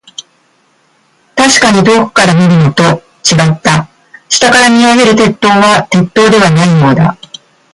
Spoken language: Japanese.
確かに遠くから見るのと、違った。下から見上げる鉄塔は、鉄塔ではないようだ。